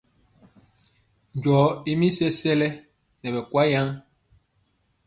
Njɔo i mi sesele nɛ akwaŋ yen.